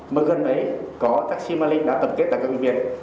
mà gần đấy có taxi mà linh đã tập kết tại cơ bệnh viện